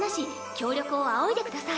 協力を仰いでください。